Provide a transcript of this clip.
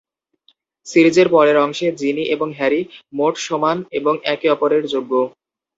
সিরিজের পরের অংশে, জিনি এবং হ্যারি "মোট সমান" এবং "একে অপরের যোগ্য"।